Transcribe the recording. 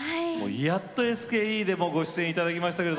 やっとＳＫＥでご出演していただきました。